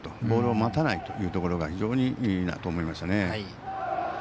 ボールを待たないというところが非常にいいなと思いましたね。